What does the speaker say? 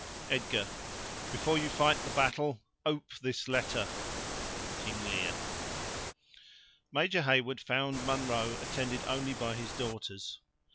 "EDG.—Before you fight the battle ope this letter." —Lear Major Heyward found Munro attended only by his daughters.